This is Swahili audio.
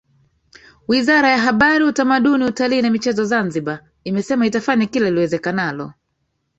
Wizara ya Habari Utamaduni Utalii na Michezo Zanzibar imesema itafanya kila liwezekanalo